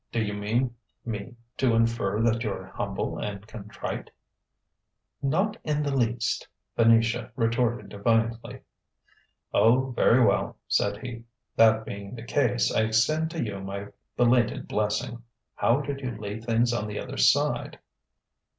"Do you mean me to infer that you're humble and contrite?" "Not in the least," Venetia retorted defiantly. "Oh, very well," said he. "That being the case, I extend to you my belated blessing. How did you leave things on the other side?"